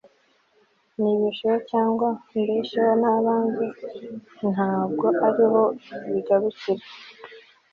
nibesheho cyangwa mbesheho n'abanjye ntabwo ariho bigarukira